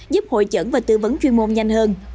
giúp hội chẩn và tư vấn chuyên môn nhanh hơn